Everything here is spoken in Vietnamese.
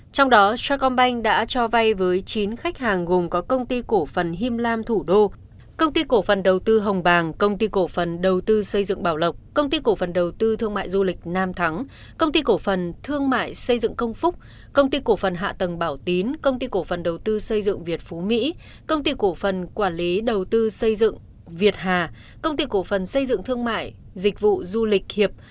trong đó sa công banh đã cho vay với chín khách hàng gồm có công ty cổ phần hiêm lam thủ đô công ty cổ phần đầu tư hồng bàng công ty cổ phần đầu tư xây dựng bảo lộc công ty cổ phần đầu tư thương mại du lịch nam thắng công ty cổ phần thương mại xây dựng công phúc công ty cổ phần hạ tầng bảo tín công ty cổ phần đầu tư xây dựng việt phú mỹ công ty cổ phần quản lý đầu tư xây dựng việt hà công ty cổ phần xây dựng thương mại dịch vụ du lịch hiệp